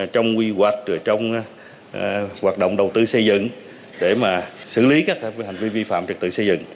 trong quy hoạch trong hoạt động đầu tư xây dựng để mà xử lý các hành vi vi phạm trật tự xây dựng